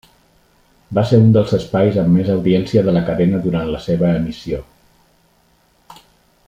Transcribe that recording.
Va ser un dels espais amb més audiència de la cadena durant la seva emissió.